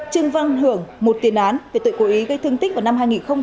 trương văn hưởng một tiền án về tội cố ý gây thương tích vào năm hai nghìn một mươi ba